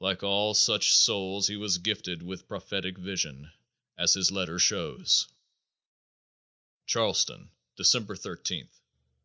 Like all such souls he was gifted with prophetic vision, as his letter shows: Charleston, December 13, 1859.